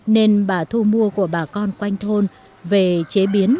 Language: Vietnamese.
nên bà thu mua của bà con quanh thôn về chế biến